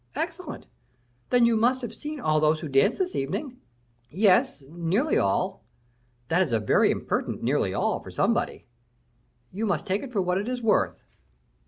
"Excellent." "Then you must have seen all those who danced this evening." "Yes, nearly all." "That is a very impertinent 'nearly all' for somebody." "You must take it for what it is worth."